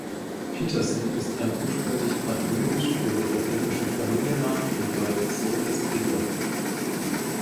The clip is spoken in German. Peterson ist ein ursprünglich patronymisch gebildeter englischer Familienname und bedeutet „Sohn des Peter“.